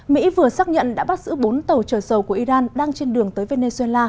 mỹ vừa xác nhận đã bắt giữ bốn tàu trời sầu của iran đang trên đường tới venezuela